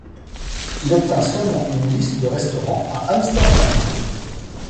Il obtint seulement une liste de restaurants à Amsterdam.